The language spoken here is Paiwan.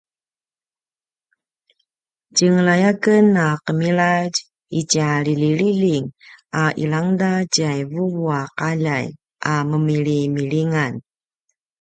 tjenglay a ken a qemiladj itja liljililjing a ilangda tjai vuvuaqaljay a menilimilingan